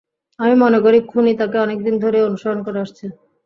আমি মনে করি খুনি তাকে অনেকদিন ধরেই অনুসরণ করে আসছে।